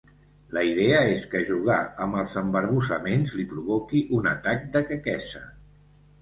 La idea és que jugar amb els embarbussaments li provoqui un atac de quequesa.